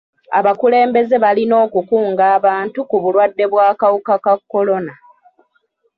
Abakulembeze balina okukunga abantu ku bulwadde bw'akawuka ka kolona.